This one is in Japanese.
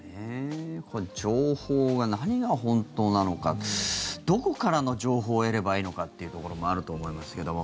情報が、何が本当なのかどこからの情報を得ればいいのかっていうところもあると思いますけども。